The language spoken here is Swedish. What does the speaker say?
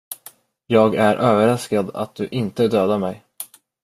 Jag är överraskad att du inte dödade mig.